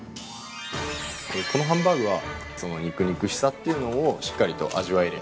◆このハンバーグは肉々しさっていうのをしっかりと味わえる。